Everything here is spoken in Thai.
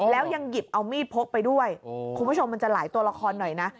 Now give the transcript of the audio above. แล้วยังหยิบเอามีดพกไปด้วยคุณผู้ชมมันจะหลายตัวละครหน่อยนะ